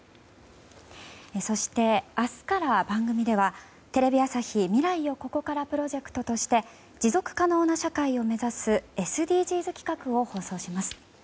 そして、明日から番組ではテレビ朝日未来をここからプロジェクトとして持続可能な社会を目指すＳＤＧｓ企画を放送します。